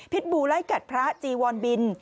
พิษบูไล่กัดพระจีวัลบิน